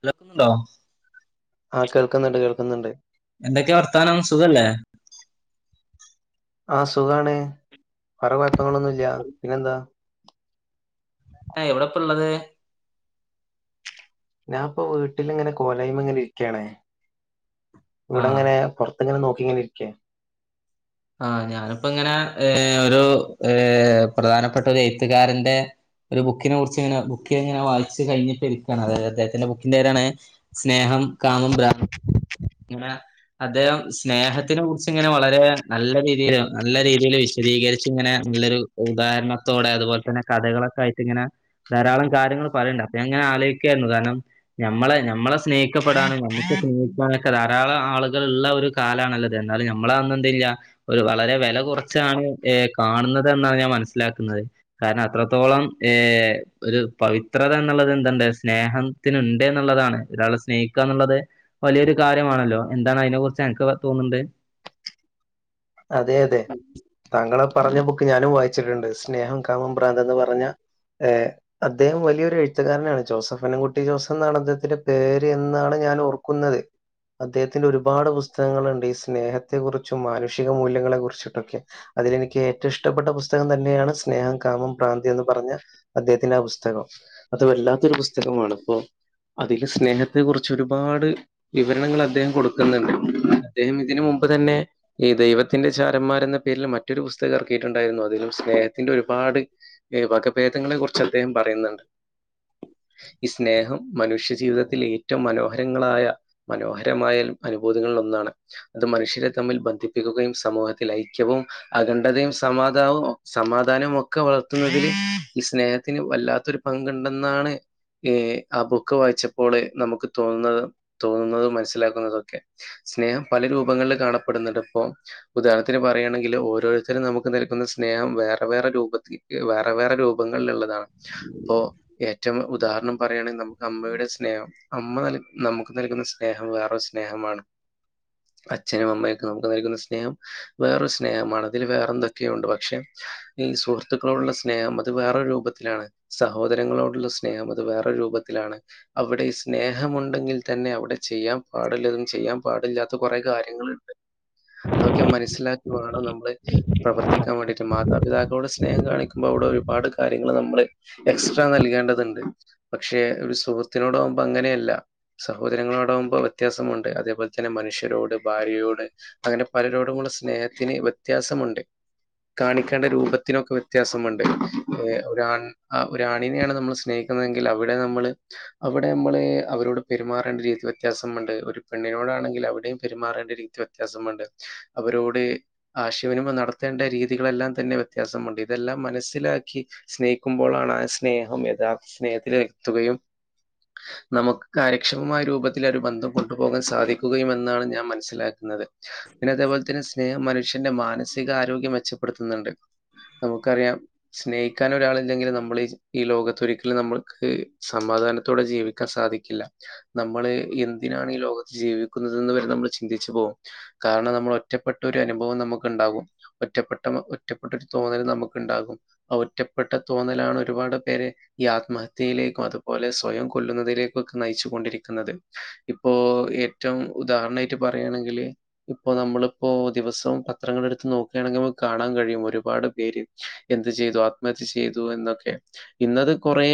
അതക്കുന്നുണ്ടോ [unintelligible] ആ കേൾക്കുന്നുണ്ട് കേൾക്കുന്നുണ്ട് എന്തൊക്കെ വർത്താനം സുഖല്ലേ ആ സുഖമാണേ പറ കുഴപ്പങ്ങളൊന്നും ഇല്ല പിന്നെന്താ ആ എവിടെപ്പ ഉള്ളത് ഞാൻ ഇപ്പോ വീട്ടിലിങ്ങനെ കോലായ്മ എങ്ങനെ ഇരിക്കണേ ആഹ് ഇവിടെങ്ങനെ പുറ അങ്ങനെ നോക്കിങ്ങനെ ഇരിക്കെ ആ ഞാനിപ്പോ ഇങ്ങനെ ഏ ഒരു ഏ പ്രധാനപ്പെട്ട ഒരു എഴുത്തുകാരന്റെ ഒരു ബുക്കിനെ കുറിച്ച് ഇങ്ങനെ ബുക്ക് ഇങ്ങനെ വായിച്ച് കഴിഞ്ഞിട്ട് ഇരിക്കാണ് അതായ അദ്ദേഹത്തിന്റെ ബുക്കിന്റെ പേരാണ് സ്നേഹം കാമ ബ്രാഹ അങ്ങനെ അദ്ദേഹം സ്നേഹത്തിനെ കുറിച്ച് ഇങ്ങനെ വളരെ നല്ല രീതിയിൽ നല്ല രീതിയിൽ വിശദീകരിച്ച് ഇങ്ങനെ നല്ലൊരു ഉദാഹരണത്തോടെ അതുപോലെ തന്നെ കഥകള ക്കായിട്ട് ഇങ്ങനെ ധാരാളം കാര്യങ്ങൾ പറയണ്ട് അപ്പ ഞാന്ങ്ങനെ ആലോചിക്കയിരുന്നു കാരണം നമ്മളെ നമ്മളെ സ്നേ ഹികപ്പെടാനും നമ്മൊക്കെ സ്നേഹിക്കാനൊക്കെ ധാരാളം ആളുകളുള്ള ഒരു കാലാനല്ലത് എന്നാലും നമ്മള അതൊന്നു എന്ത്ല്ലാ ഒരു വളരെ വെല കൊറച്ചാണ് ഏ കാണുന്നത് എന്നാണ് ഞാൻ മനസ്സിലാക്കുന്നത് കാരണം അത്രത്തോളം [unintelligible] ഏ ഒരു പവിത്രതാന്നുള്ളത് എന്ത്ണ്ട് സ്നേഹത്തിനുണ്ട് എന്നുള്ളതാണ് ഒരാളെ സ്നേ ക്കാന്നുള്ളത് വലിയൊരു കാര്യമാണല്ലോ എന്താണ് അയിനെ കുറിച്ച് അന്ക്ക് തോന്നുന്നത് അതെ അതെ താങ്കളെ പറഞ്ഞ ബുക്ക് ഞാനും വായിച്ചിട്ടുണ്ട് സ്നേഹം കാമം ഭ്രാന്തന്ന് പറഞ്ഞ ഏ അദ്ദേഹം വലിയൊരു എഴുത്തുകാരനാണ് ജോസഫ് അന്നൻകുട്ടി ജോസഫ് എന്നാണ് അദ്ദേഹത്തിന്റെ പേര് എന്നാണ് ഞാന് ഓർക്കുന്നത് അദ്ദേഹത്തിന്റെ ഒരുപാട് പുതകങ്ങളണ്ട് ഈ സ്നേഹത്തെകുറിച്ചും മാനു ക്ഷിക മൂല്യങ്ങളെ കുറിച്ചിട്ടൊക്കെ അതിലെനിക്ക് ഏറ്റവും ഇഷ്ടപ്പെട്ട പുസ്തകം തന്നെയാണ് സ്നേഹം കാമം പ്രാന്തിയെ പറ്ഞ്ഞ അദ്ദേഹത്തിന്റെ ആ പുസ്തകം അത് വല്ലാത്തൊരു പുസ്തകമാണ് ഇപ്പൊ അതില് സ്നേഹത്തെ കുറിച്ച് ഒരുപാട് വിവരണങ്ങൾ അദ്ദേഹം കൊടുക്കുന്നുണ്ട് അദ്ദേഹം ഇതിനുമു ഇപ്പ തന്നെ ഈ ദൈവത്തിന്റെ ചാരന്മാരെന്ന പേരിൽ മറ്റൊരു പുസ്തകം എറക്കിയിട്ടുണ്ടായിരുന്നു അതിലും സ്നേഹത്തിന്റെ ഒരുപാട് ഏയ് വകഭേദങ്ങളെക്കുറിച്ച് അദ്ദേഹം പറയുന്നുണ്ട് ഈ സ്നേഹം മനുഷ്യജീവിതത്തില് ഏറ്റവും മനോഹരങ്ങളായ മനോഹരമായ അത്ഭുതങ്ങള്ല് ഒന്നാണ് അത് മനുഷ്യരെ തമ്മിൽ ബ ധിപ്പിക്കുകയും സമൂഹത്തില് ഐക്യവും അഖണ്ഡതയും സമാധാവും സമാധാനവും ഒക്കെ വളർത്തിയത് ഈ സ്നേഹത്തിന് വല്ലാത്തൊരു പങ്ക്ണ്ടെന്നാണ് ഏ ആ ബുക്ക്‌ വായിച്ചപ്പോൾ നമുക്ക് തോന്നുന്ന തോന്നുന്നത് മനസ്സിലാക്കുന്നതൊക്കെ സ്നേഹം പല രൂപങ്ങള്ല് കാണപ്പെടുന്നുണ്ട് ഇപ്പോ ഉദാഹരണത്തിന് പറയുകയാണെങ്കിൽ ഓരോരുത്തരും നമുക്ക് നൽക്കുന്ന സ്നേഹം വേറെ വേറെ രൂപത്തി വേറെ വേറെ രൂപങ്ങള്ല് ഇള്ളതാണ് അപ്പോ ഏറ്റവും ഉദാഹരണം പറയാണെ നമുക്ക് അമ്മയുടെ സ്നേഹം അമ്മ നല് നമുക്ക് നൽകുന്ന സ്നേഹം വേറൊരു സ്നേഹമാണ് അച്ഛനും അമ്മയൊക്കെ നമു കാണിക്കുന്ന സ്നേഹം വേറൊരു സ്നേഹമാണ് അതില് വേറെന്തൊക്കൊയോണ്ട് പക്ഷെ ഈ സുഹൃത്തുക്കളോടുള്ള സ്നേഹം ത് വേറൊരു രൂപത്തിലാണ് സഹോദരങ്ങളോടുള്ള സ്നേഹബ വേറെ രൂപത്തിലാണ് അവിടെ ഈ സ്നേഹമുണ്ടെങ്കിൽ തന്നെ അവിടെ ചെയ്യാൻ പാടില്ലതും ചെയ്യാൻ പാ അതില്ലാത്ത കുറെ കാര്യങ്ങളുണ്ട് അതൊക്കെ മനസ്സിലാക്കി വാണം നമ്മള് പ്രവർത്തിക്കാൻ വേണ്ടിയിട്ട് മാതാപിതാക്കളോട് സ്നേഹം കാണിക്കുമ്പോൾ അവിടൊരു പാട് കാര്യങ്ങൾ നമ്മള് എക്സ്ട്രാ നൽകേണ്ടതുണ്ട് പക്ഷെ ഒരു സുഹൃത്തിനോടാവുമ്പോ അങ്ങനെയല്ല സഹോദരങ്ങളോടാകുമ്പൊ വ്യത്യാസമുണ്ട് അതേപോലെ തന്നെ മനുഷ്യരോട് ഭാര്യയോട് അങ്ങനെ പലരോടുമുളള സ്നേഹത്തിന് വ്യത്യാസമുണ്ട് കാണിക്കേണ്ട രൂപത്തിനൊക്കെ വ്യത്യാസമുണ്ട് ഏ ഒരാൺ ആ ഒരാണിനെയാണ് നമ്മൾ സ്നേഹി ക്കുന്നുവെങ്കില് അവിടെ നമ്മള് അവിടെ നമ്മള് അവരോട് പെരുമാറേണ്ട രീതി വ്യത്യാസമുണ്ട് ഒരു പെണ്ണിനോ പ്പളാണെങ്കില് അവിടെയും പെരുമാറേണ്ട രീതിയു വ്യത്യാസമുണ്ട് അവരോട് ആശയവിനിമയം നടത്തേണ്ട രീതികളെല്ലാം തന്നെ വ്യത്യാസമുണ്ട് ഇതെല്ലാം മനസ്സിലാക്കി സ്നേഹിക്കുമ്പോളാണ് ആ സ്നേഹം യഥാർത്ഥ സ്നേഹത്തിലെത്തുകയും നമുക്ക് കാര്യക്ഷമമായ രൂപത്തി ഒരു ബന്ധം കൊണ്ടുപോകാൻ സാധിക്കുകയും എന്നാണ് ഞാൻ മനസ്സിലാക്കുന്നത് പിന്നെ അതേപോലെ തന്നെ സ്നേഹം മനുഷ്യന്റെ മാനസികാരരോഗ്യം മെച്ചപ്പെടുത്തുന്നുണ്ട് നമുക്കറിയാം സ്നേഹിക്കാന് ഒരാളില്ലെങ്കില് നമ്മള് ഈ ലോകത്തൊരിക്കലും നമ്മൾക്ക് സമാധാനത്തോടെ ജീവിക്കാൻ സാ ഒഴ്ക്കില്ല നമ്മള് എന്തിനാണ് ഈ ലോകത്ത് ജീവിക്കുന്നത് എന്ന് വരെ നമ്മള് ചിന്തിച്ചു പോവും കാരണം നമ്മള് ഒറ്റപ്പെട്ട ഒരു അനുഭവം നമുക്ക് ഉണ്ടാകും ഒറ്റപ്പെട്ടവ ഒറ്റപ്പെട്ട ഒരു തോന്നൽ നമുക്ക് ണ്ടാക്കും ആ ഒറ്റപ്പെട്ട തോന്നലാണ് ഒരുപാട് പേരെ ഈ ആത്മഹത്യയിലേക്കും അതുപോലെ സ്വയം കൊ കൊല്ലുന്നതിലേക്കൊക്കെ നയിച്ചൊണ്ടിരിക്കുന്നത് ഇപ്പോ ഏറ്റവും ഉദാഹരണായിട്ട് പറയാണെങ്കില് ഇപ്പൊ നമ്മള്പ്പോ ദിവസവും പത്രങ്ങളെടുത്ത് നോക്കുകയാണെങ്കിൽ നമുക്ക് കാണാൻ കഴിയും ഒരുപാട് പേര് എന്ത് ചെയ്തു ആത്മഹത്യ ചെയ്തുന്നൊക്കെ ഇന്ന് അത് കൊറേ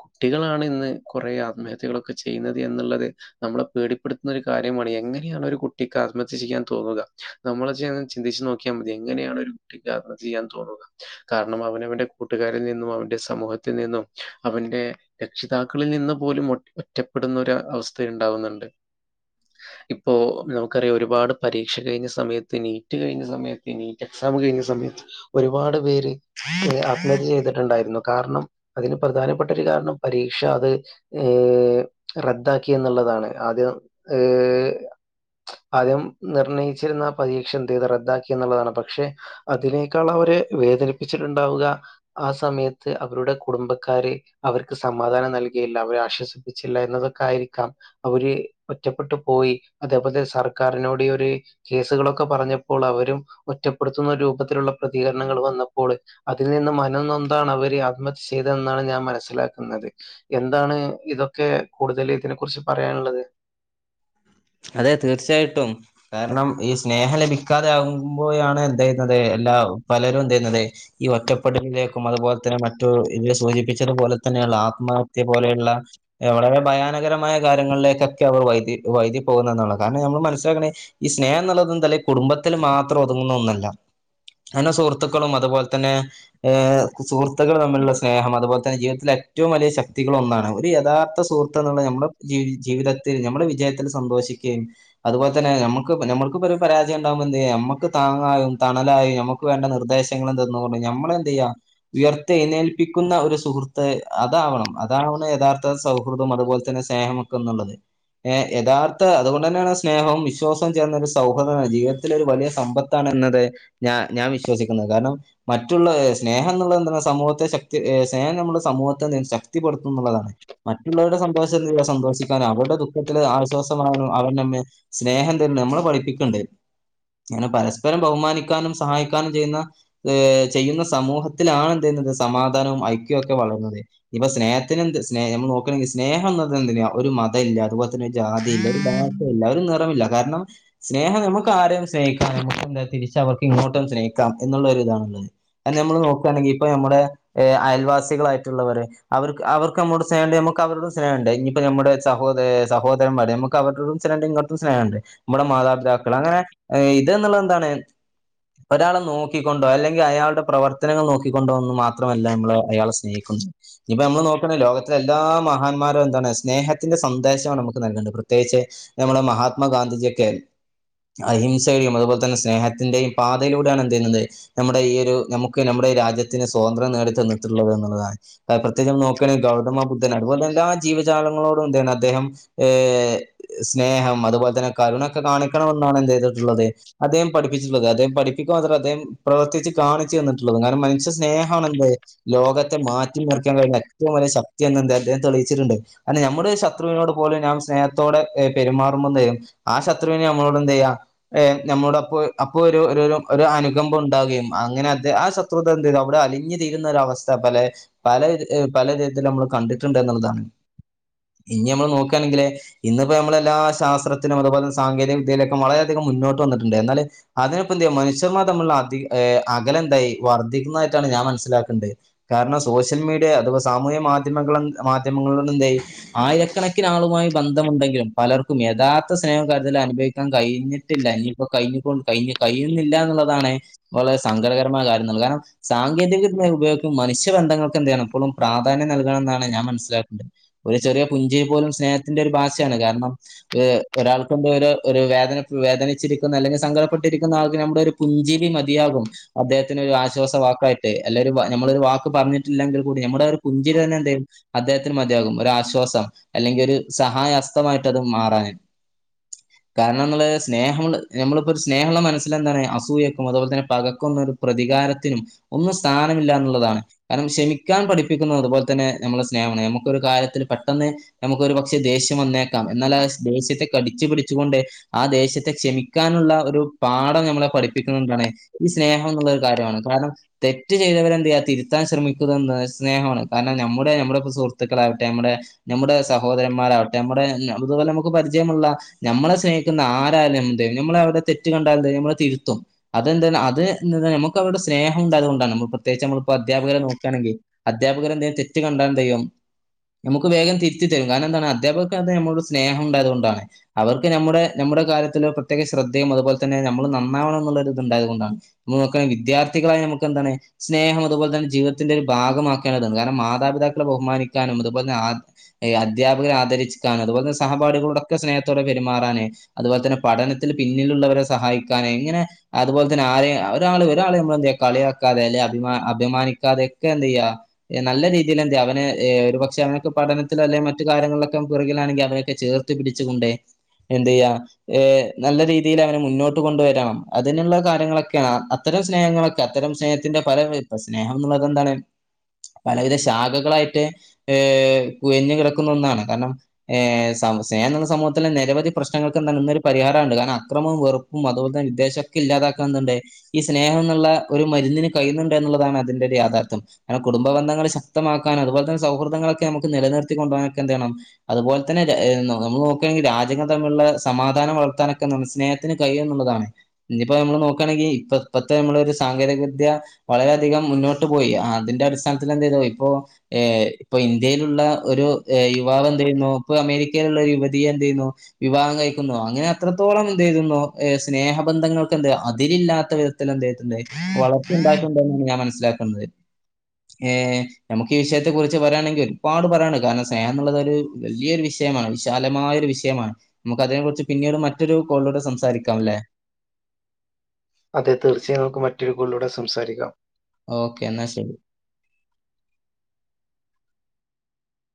കുട്ടികളാണ് ഇന്ന് കുറെ ആത്മഹത്യകളൊക്കെ ചെയ്യുന്നത് എന്നുള്ളത് നമ്മളെ പേടിപ്പെടുത്തുന്ന ഒരു കാര്യമാണ് എങ്ങനെയാണ് ഒരു കു കുട്ടിക്ക് ആത്മഹത്യ ചെയ്യാൻ തോന്നുലാ നമ്മെൾ ചെയ്യ്ണെ ചിന്തിച്ച് നോക്കിയാ മതി എങ്ങനെയാണ് ഒരു കുട്ടിക്ക് ആത്ഹത്യ ചെയ്യാൻ തോന്നുന്നെത് കാരണം അവനവന്റെ കൂട്ടുകാരിൽ നിന്നും അവന്റെ സമൂഹത്തിൽ നിന്നും അവന്റെ രക്ഷിതാക്കൾ നിന്നിൽ നിന്ന് പോലും ഒറ്റപ്പെടുന്ന ഒരു അവസ്ഥ ഉണ്ടാവുന്നുണ്ട് ഇപ്പോ നമ റിയാ ഒരുപാട് പരീക്ഷ കഴിഞ്ഞ സമയത്ത് നീറ്റ് കഴിഞ്ഞ സമയത്ത് നീറ്റ് എക്സാം കഴിഞ്ഞ സമയത്ത് ഒരുപാട് പേര് അഫെർ ചെയ്തിട്ടുണ്ടായിരുന്നു കാരണം അതിന് പ്രധാനപ്പെട്ട ഒരു കാരണം പരീക്ഷ അത്‌ ഏ റദ്ദാക്കി എന്നുള്ളതാണ് ആദ്യം ഏ ആദ്യം നിർണ്ണയിച്ചിരുന്ന പരീക്ഷ ന്ത് ചെയ്ത് റദ്ദാക്കി എന്നുള്ളതാണ് പക്ഷെ അതിനേക്കാൾ അവര് വേദനിപ്പിച്ചിട്ടുണ്ടാവുക ആ സമയത്ത് അവരുടെ കുടുംബക്കാര് അവർക്ക് സമാധാനം നൽ ല്ലാവരും ശ്വസിപ്പിച്ചില്ലായിരു ന്നതൊക്കെ ആയിരിക്കാം അവര് ഒറ്റപ്പെട്ടു പോയി അതേപോലെ സർക്കാറിനോട് ഈയൊര് കേസുകളൊക്കെ പറഞ്ഞപ്പോൾ അവരും ഒറ്റപ്പെടുത്തുന്ന രൂപത്തിലുള്ള പ്രതികരണങ്ങ വന്നപ്പോൾ അതിൽ നിന്ന് മനം ന്നൊന്താണ് അവര് ആത്മഹത്യ ചെയ്തെന്നാണ് ഞാൻ മനസ്സിലാക്ന്നത് എന്താണ് ഇതൊക്കെ കൂടുതൽ ഇതിനെ കുറിച്ച് പറയാനുള്ളത് അതെ തീർച്ചയായിട്ടും കാരണം ഈ സ്നേഹ ലഭിക്കാതെ ആകുമ്പോഴാ ണ് എന്ത്‌ ചെയ്യുന്നത് എല്ലാ അഉ പലരും ന്തെന്നത് ഈ ഒറ്റപ്പെടലിലേക്കും അതുപോലെ തന്നെ മറ്റു ഇ സൂചിപ്പിച്ചതുപോലെ തന്നെയള്ള ആത്മഹത്യ പോലെയുള്ള വളരെ ഭയാനകരമായ കാര്യങ്ങളിലേക്കൊക്കെ അവർ വൈതി വൈതി പോകുന്ന എന്നുള്ള കാരണം നമ്മൾ മനസ്സിലാക്കണ ഈ സ്നേഹം എന്നുള്ളത് എന്തല്ല കുടുംബത്തില്ൽ മാത്രം ഒതുങ്ങുന്ന ഒന്നുമല്ല നല്ല സുഹൃത്തുക്കളും അതുപോലെ തന്നെ സുഹൃത്തുക്കൾ തമ്മിലുള്ള അതുപോലെ തന്നെ ജീവിതത്തില ഏറ്റവും വലിയ ശക്തികളൊന്നാണ് ഒരു യഥാർത്ഥ സുഹൃത്ത് എന്നുള്ള നമ്മുൾ ജീവി ജീവിത ത്ത് നമ്മൾ വിചാ സന്തോഷിക്കയും അതുപോല തന്നെ നക്ക് നമ്മക് ഒരു പരാജയം ഉണ്ടാവുമ്പോ എന്തയ്യാ നമ്മക് താങ്ങത്താ നക്ക് വേണ്ട നിർദ്ദേശങ്ങൾ എന്ത നമ്മള എന്ത് ചെയ്യ ഉയർത്തി എഴു നൽ പ്പിക്കുന്ന ഒരു സുഹൃ അതാവണം അതാവണ് യഥാർഥ സൗഹൃദം അതുപോലെ തന്നെ സ്നേഹംക്കെ എന്നുള്ളത് ഏ യഥാർത്ഥ അതുകൊണ്ട് തന്നെയാണ് സ്നേഹവും വിശ്വാസവും ചേർന്ന ഒരു സൗഹൃദമാണ് ജീവിതത്തിലൊ ഒരു വലിയ സമ്പത്താണ് എന്നത് ഞ ഞാൻ വിശ്വസിക്കുന്നത് കാരണം മറ്റുള്ള സ്നേഹം എന്നുള്ളത് സമൂഹത്തെ ശക്തി സ്നേഹം സമൂഹ ശക്തിപ്പെടുത്തുള്ളതാണ് മറ്റുള്ളവരുടെ സന്തോഷ സന്തോഷിക്കാൻ അവരുടെ ദുഃഖ ആശ്വാസമാകും അവരുടെ തമ്മെ സ്നേഹം തരും നമ്മളെ പഠിപ്പിക്കണ്ട് അങ്ങനെ പരസ്പരം ബഹുമാനിക്കാനും സഹായിക്കാനും ചെയ്യുന്ന ഏ ചെയ്യുന്ന സമൂഹത്തിലാണ് എന്ത സമാധാനവും ഐക്യവും ഒക്കെ വളർുന്നത് ഇപ്പൊ സ്നേഹത്തിന്ന്ത്‌ എ നോക്കണെങ്കിൽ സ്നേഹം എന്നത് എന്തിനാ ഒരു മത ഇല്ല അത്‌ ജാതി ഇല്ല ഒരു ഭാഷല്ല ഒരു നിറമില്ല കാരണം സ്നേഹം നമുക്കാരരെയും സ്നേഹിക്കാം നമ എന്താ തിരിച്ച് അവർക്ക് ഇങ്ങോട്ടും സ്നേഹിക്കാം എന്നുള്ള ഇതാണുള്ളത് അ നമ്മൾ നോക്കുകയാണെങ്കിൽ ഇപ്പ നമ്മുടെ അയൽ വാസികളായിട്ടുള്ളവര് അവർക്ക് അവർക്ക് നമ്മോട് സ്ഹ നമുക്ക് അവരോട് സ്നേഹ ഉണ്ട് ഇനിയിപ്പ നമ്മുടെ സഹോദ സഹോദരൻമ്മാര് നമുക്ക് അവരോടും സ്നഹണ്ട് ഇങ്ങോട്ടും സ്നേഹണ്ട് നമ്മുടെ മാതാപതാക്കൾ അങ്ങനെ ഇത്‌ ന്ള്ളത്‌ എന്താണ് എ ഒരാളെ നോക്കിക്കൊണ്ടോ അല്ലെങ്കിൽ അയാളുടെ പ്രവർത്തനങ്ങൾ നോക്കിക്കൊണ്ടോ എന്ന് മാത്രമല്ല നമ്മള് അയാളെ സ്നേഹിക്കുന്ന ഇപ്പൊ നമ്മള് നോക്കണ ലോകത്തിലെ എല്ലാ മഹാന്മാരും എന്താണ് സ്നേഹത്തിന്റെ സന്ദേശ താണ് നമുക്ക് നൽകണ്ട് പ്രത്യേകിച്ച് നമ്മുടെ മഹാത്മാ ഗാന്ധിജിയൊക്കെ അഹിംസയും അതുപോലെ തന്നെ സ്നേഹത്തിന്റെയും പാതയിലൂടെയാണ് എന്ത് ചെയ്യുന്നത് നമ്മുടെ ഈ ഒരു നമുക്ക് നമ്മുടെ രാജ്യത്തിന് സ്വാതന്ത്ര്യം നേടി തന്നിട്ടുള്ളത് എന്നുള്ളതാണ് പ്രത്യേകിച് നോക്കയാണെങ്കിൽ ഗൗതമ ബുദ്ധൻ അതുപോലെ അല്ലാ ര ജീവജാലങ്ങളോടും എന്താണ് അദ്ദേഹം സ്നേഹം അതുപോലെ തന്നെ കരുണൊക്കെ കാണിക്ക ണെന്നാണ് എന്ത് ചെയ്തിട്ടുള്ളത് അദ്ദേഹ പഠിപ്പിച്ചിട്ടത് അദ്ദേഹം പഠപ്പിക്കവാ മാത്രല്ല അദ്ദേഹം പ്രവർത്തിച്ച് കാണിച്ചു തന്നിട്ടുള്ളത് ങ്ങാനും മനുഷ്യ സ്നേഹമാല്ലെ ലോകത്തെ മാറ്റിമറിക്കാൻ കഴിയുന്ന ഏവും വല ശക്തിയ എന്തെ അദ്ഹം തെളിയിച്ച ണ്ട് അ നമ്മുട് ശത്രുവിനോട് ലും ഞാൻ സ്നേഹത്തോടെ പെരുമാറുമ്പോതയും ആ ശത്രുവിനെ നമ്മളോട് എന്ത്യ്യാ നമ്മോട് അപ്പോ ഒരു ഒരു അനുകമ്പം ഉണ്ടാുകയും അങ്ങനെ അദ്ധേ ആ ശത്രുത എന്ത് ചെയത്‌ അവിടെ അലിഞ്ഞു തീരുന്ന അവസ്ഥ പല പല രൽ നമ്മൾ കണ്ടിട്ടുണ്ട് എന്നുള്ളതാണ് ഇനി നമ്മൾ നോക്ക ണങ്കില് ഇപ്പോ നമ്മള എല്ലാ ശാസ്ത്രത്തിലും അതുപോലെ സാങ്കേതിക വിദ്യയിലൊക്കെ വളരെയധികം മുന്നോട്ട് വന്നിട്ടുണ്ട് എന്നാല് അതിനെപ്പന്തിയ മനുഷ്യർമാ തമ്മിലുള്ള അധ അകലെന്തായി വർദ്ധിക്കുന്നതായിട്ടാണ് ഞാൻ മനസ്സിലാക്കേണ്ടത് കാരണം സോഷ്യൽ മീഡിയ അതുപോ സാമൂഹ്യ മാധ്യമ മാധ്യമങ്ങളിലണ്ട് എന്തായി ആയിരക്കണക്കി ആളുമായി ബന്ധമുണ്ടെങ്കിലും പലർക്കും യഥാത്ഥ സ്നേം കാര്യാത്തിൽ അനുഭവിക്കാൻ കഴിഞ്ഞിട്ടില്ല ഇനിപ്പോ കഴിഞ്ഞ കഴിയുന്നില്ല എന്നുള്ളതാണ് വളരെ സങ്കടകരമായ കാര് കാരണം സാങ്കേതിക ഉപയ മനുഷ്യബന്ധങ്ങൾക്ക് എന്താണ് ഇപ്പോഴ പ്രാധാന്യം നൽകണണം എന്നാണ് ഞാൻ മനസ്സിലാക്കുന്നത് ഒരു ചെറിയ പുഞ്ച സ്നേഹത്തിന്റെ ഒരു ഭാഷയാണ് കാരണം ഒരാൾക്ക് ഒരു വേദന വേദനിച്ച് അല്ലെങ്കിൽ സങ്കടപ്പെട്ടിരിക്കുന്ന ആൾക്ക് നമ്മുടെ ഒരു പുഞ്ചിരി മതിയാകും അദ്ദേഹത്തിന് ഒരു ആശ്വാസ വാക്കായിട്ട് അല്ലെരു നമ്മളൊ ഒരു വാക്ക് പറഞ്ഞിട്ടില്ലെങ്കിൽ കൂടി നമ്മുടെ പുഞ്ചിരി തന്നെ എന്ത് അദ്ദേഹത്തിന് മതിയാകും ഒരുആശ്വാസം അല്ലെങ്കിൽ ഒരു സഹായസ്ഥമായിട്ട് അത് മാറാൻ കാരണം നമ്മള് സ്നേഹം നമ്മൾ നമ്മളിപ്പോ സ്നേഹമുള്ള മനസ്സിൽ എന്താണ് അസൂയക്കും അതുപോലെ തന്നെ പകക്കും പ്രതിക കാരത്തിനും ഒന്നും സ്ഥാനമില്ല എന്നുള്ളതാണ് കാരണം ക്ഷമിക്കാൻ പഠിപ്പിക്കുന്നത് അതുപോലെ തന്നെ നമ്മളെ സ്നേഹമാണ് നമുക്കൊരു കാര്യത്തിൽ പെട്ടെന്ന് നമുക്ക് ഒരു പക്ഷെ ദേഷ്യം വന്നേക്കാം എന്നാൽ ആ ദേശ്യത്തെ കടിച്ചു പിടിച്ചുകൊണ്ട് ആ ദേഷ്യത്തെ ക്ഷമിക്കാനുള്ള ഉള്ള ഒരു പാഠം നമ്മളെ പഠിപ്പിക്കുന്നതെന്താണ് ഈ സ്നേഹം എന്നുള്ള ഒരു കാര്യമാണ് കാരണം തെറ്റ് ചെയ്തവരെ തിരുത്താൻ ശ്രമിക്കുന്നത് സ്നേഹമാണ് കാരണം നമ്മുടെ നമ്മുടെ സുഹൃത്തുക്കളാവട്ടെ നമ്മുടെ നമ്മുടെ സഹോദരന്മാരവട്ടെ നമ്മുടെ അതുപോലെ നമുക്ക് പരിചയമുള്ള നമ്മളെ സ്നേഹിക്കുന്ന ആരാലും എന്ത് നമ്മ നമ്മുടെ തെറ്റ് കണ്ടാൽ എന്ത്ചെയ്യും നമ്മൾ തിരുത്തും അതെന്താണ് നമ്മക്ക് അവരോട് സ്നേഹ ഉണ്ടായത് കൊണ്ടാണ് നമ്മൾ പ്രത്യേകിച്ച് നമ്മൾ ഇപ്പൊ അധ്യാപകരെ നോക്കയാണെങ്കിൽ അധ്യാപകരെ എന്തേം തെറ്റ് കണ്ടാൽ എന്ത് ചെയ്യും നമുക്ക് വേഗംതിര് ത്തി തരും കാരണം എന്താണ് അധ്യാപകർക്ക് അത് നമ്മുടെ സ്നേഹം ഉണ്ടായതുകൊണ്ടാണ് അവർക്ക് നമ്മുടെ നമ്മുടെ കാര്യത്തിൽ പ്രത്യേക ശ്ര ദ്ധയും അപോലെ തന്നെ നമ്മള് നന്നാവണം എന്നുള്ള ഒരു ഇത് ഉണ്ടായത് കൊണ്ടാണ് നമ്മൾ നോക്കാണേൽ വിദ്യാർത്ഥികളായ നമുക്കെന്താണ് സ്നേഹം അതുപോലെ തന്നെ ജീവിതത്തിന്റെ ഒരു ഭാഗമാക്കാനാണത് കാരണം മാതാപിതാക്കളെ ബഹുമാനിക്കാനും അതുപോലെന്നെ ആ അധ്യാപകരെ ആദരിച്ച്ക്കാണലും അതുപോലെ തെന്നെ സഹാഠികളോടൊക്കെ സ്നേഹത്തോടെ പെരുമാറാന് അതുപോലെ തന്നെ പഠനത്തിൽ പിന്നിലുള്ളവരെ സഹായിക്കാന് ഇങ്ങനെ അതുപോലെ തന്നെ ആരെയും ഒരാള് ഒരാളെ നമ്മ എന്ത്ചെയ്യാ കളിയാക്കാതെ അ അഭിമാനിക്കാതെയൊക്കെ എന്ത്‌ ചെയ്യ നല്ല രീതിയിൽ എന്ത്യ അവന് ഒരു പക്ഷെ അവനൊക്കെ പഠന ത്തിൽ മറ്റു കാര്യങ്ങളിലൊക്കെ പുറകിലാണെങ്കിൽ അവരെയൊക്കെ ചേർത്ത് പിടിച്ചു കൊണ്ട് എന്ത് ചെയ്യ ഏ നല്ല രീതിയിൽ അവനെ മുന്നോട്ട് കൊണ്ടുവരണം അതിനുള്ള കാര്യങ്ങളൊക്കെയാണ് അത്ര അത്തരം സ്നേഹങ്ങളൊക്കെ അത്തരം സ്നേഹത്തിന്റെ പല ഇപ്പം സ്നേഹം എന്നുള്ളതെന്താണ് പലവിധ ശാഖകളായിട്ട് ഏ ഉയഞ് കിടക്കുന്ന ഒന്നാണ് കാരണം ഏ സ്നേഹം എന്നുള്ളത് സമൂഹത്തിലെ നിരവധി പ്രശ്നങ്ങൾക്ക് എന്താണ് ഇന്നൊരു പരിഹാരം ആ ആണ് കാരണം അക്രമവും വെറുപ്പും അതുപോലെ തന്നെ വിദ്വേഷം ഒക്കെ ഇല്ലാതാക്കാണ്ട് ഈ സ്നേഹം എന്നുള്ള ഒരു മരുന്നിന് ക ഴിയു ന്നുണ്ട് എന്നുള്ളതാണ് അതിന്റെ യാതാർഥ്യം കാരണം കുടബബന്ധങ്ങൾ ശക്തമാക്കൻ അതുപോലെ സൗഹൃദങ്ങളൊക്കെ നമു ക്ക് നിലനിർത്തി കൊണ്ടു പോകാനൊക്കെ എന്തെയ്യണം അതുപോലെ തന്നെ നമ്മൾ നോക്കാണെങ്കിൽ രാജ്യങ്ങൾ തമ്മിലുള്ള സമാധാനം വർത്താനൊക്കെ സ്നേഹത്തിന് കഴിയും എന്നുള്ളതാണ് ഇഞ് ഇപ്പോ നമ്മൾ നോക്കുകയാണെങ്കിൽ ഇപ്പത്തെ നമ്മള ഒരു സാങ്കേതിക വിദ്യ വളരെയധികം മുന്നോട്ട് പോയി അതിന്റെ അടിസ്ഥാനത്തിൽ എന്ത് ചെയ്തു ഇപ്പോ ഇപ്പൊ ഇന്ത്യയിലുള്ള ഒരു യുവാവ് എന്ത്‌ ചെയ്യുന്നു ഇപ്പൊ അമേരിക്കയിലുള്ള ഒരു യുവതിയെ എന്ത് ചെയ്യുന്നു വിവാഹം കഴിക്കുന്നു അങ്ങനെ അത്രത്തോളം എന്ത് ചെയ്യുന്നോ ഏ സ്നേഹബന്ധങ്ങൾക്ക് എന്ത്‌ അതിരില്ലാത്ത വിധത്തിൽ എന്ത്‌ ചെയ്തിട്ട്ണ്ട് വളർച്ച ഉണ്ടായിട്ടുണ്ട് എന്നാണ് ഞാൻ മനസ്സിലാക്കുന്നത് ഏ നമുക്ക് ഈ വിഷയത്തെ കുറിച്ച് പറയാണെങ്കിൽ ഒരുപാട് പറയാണ് കാരണം സ്നേഹം എന്നുള്ളത് ഒരു വലിയൊരു വിഷയമാണ് വിശാലമായ ഒരു വിഷയമാണ് നമുക്ക് അതിനെ കുറിച്ച് പിന്നെ പിന്നീട് മറ്റൊരു കോളിലൂടെ സംസാരിക്കാംല്ലേ അതെ തീർച്ചയായും നമുക്ക് മറ്റൊരു കോളിലൂടെ സംസാരിക്കാം ഓക്കെ എന്നാ ശരി